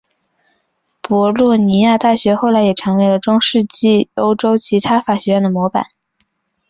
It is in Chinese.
博洛尼亚大学后来也成为了中世纪欧洲其他法学院的模板。